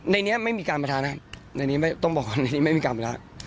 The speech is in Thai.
ในนี้ไม่มีการประทะนะครับในนี้ไม่ต้องบอกว่าอันนี้ไม่มีการประทะ